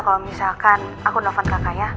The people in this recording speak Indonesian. kalau misalkan aku nelfon kakak ya